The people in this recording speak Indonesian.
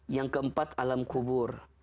yang keempat alam kubur